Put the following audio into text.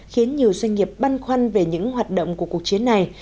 khiến nhiều doanh nghiệp băn khoăn về những hoạt động của cuộc chiến này